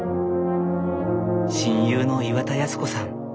親友の岩田康子さん。